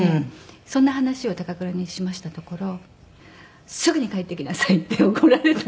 そんな話を高倉にしましたところ「すぐに帰ってきなさい」って怒られたんです。